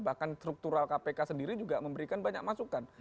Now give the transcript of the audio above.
bahkan struktural kpk sendiri juga memberikan banyak masukan